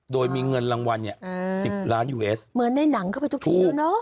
โดยมีเงินรางวัล๑๐ล้านยูเอสเหมือนในหนังเข้าไปทุกทีด้วยเนอะ